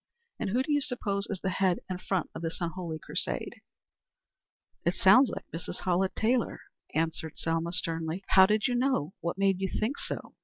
And who do you suppose is the head and front of this unholy crusade?" "It sounds like Mrs. Hallett Taylor," answered Selma, sternly. "How did you know? What made you think so?